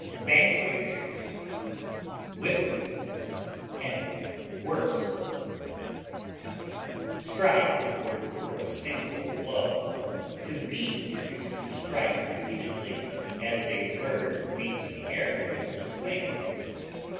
castigate, flog, smite, Strike is the word for a single blow; to beat is to strike repeatedly, as a bird beats the air with its wings.